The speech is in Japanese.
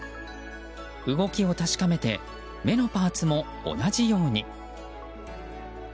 動きを確かめて目のパーツも同じように。